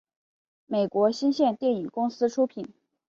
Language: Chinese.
美国新线电影公司出品。